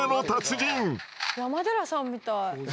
山寺さんみたい。